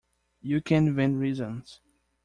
You can invent reasons.